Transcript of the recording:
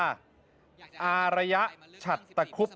ธหารยะชัตตะครูบ